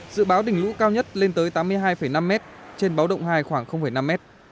dự báo đỉnh lũ cao nhất lên tới tám mươi hai năm m trên báo động hai khoảng năm mét